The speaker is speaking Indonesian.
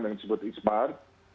yang disebut e smart